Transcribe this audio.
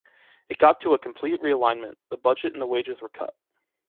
It got to a complete realignment, the budget and the wages were cut.